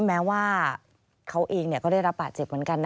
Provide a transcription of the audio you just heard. แม้ว่าเขาเองก็ได้รับบาดเจ็บเหมือนกันนะ